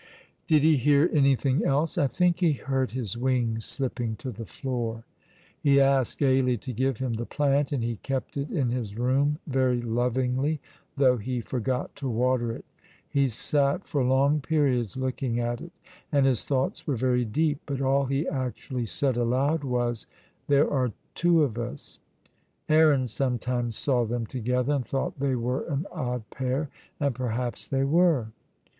Did he hear anything else? I think he heard his wings slipping to the floor. He asked Ailie to give him the plant, and he kept it in his room very lovingly, though he forgot to water it. He sat for long periods looking at it, and his thoughts were very deep, but all he actually said aloud was, "There are two of us." Aaron sometimes saw them together, and thought they were an odd pair, and perhaps they were.